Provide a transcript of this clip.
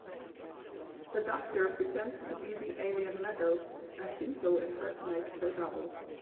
The Doctor pretends to be the alien Meadows and Pinto impersonates her double.